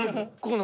何！？